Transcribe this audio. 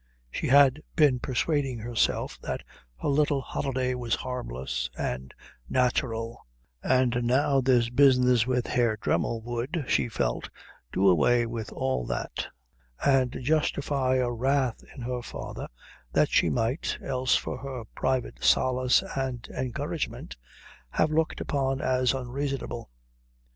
She had been persuading herself that her little holiday was harmless and natural; and now this business with Herr Dremmel would, she felt, do away with all that, and justify a wrath in her father that she might, else for her private solace and encouragement, have looked upon as unreasonable.